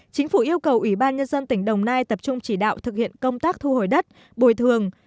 chính phủ yêu cầu ủy ban nhân dân tỉnh đồng nai tập trung chỉ đạo thực hiện công tác thu hồi đất bồi thường